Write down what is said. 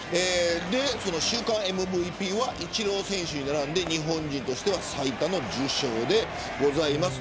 週間ＭＶＰはイチロー選手に並んで日本人としては最多の受賞です。